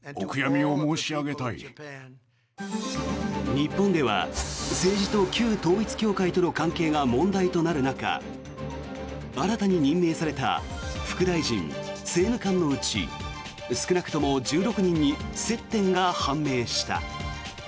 日本では政治と旧統一教会との関係が問題となる中新たに任命された副大臣・政務官のうち少なくとも１６人に接点が判明した。